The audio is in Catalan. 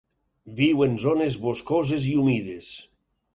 Viu en zones boscoses i humides.